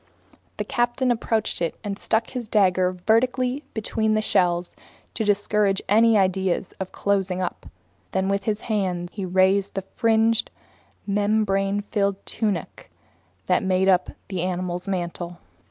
The captain approached and stuck his dagger vertically between the shells to discourage any ideas about closing; then with his hands he raised the fringed, membrane filled tunic that made up the animal's mantle.